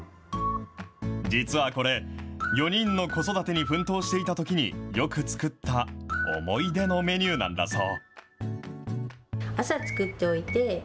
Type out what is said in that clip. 実はこれ、４人の子育てに奮闘していたときによく作った思い出のメニューなんだそう。